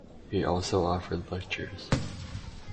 He also offered lectures.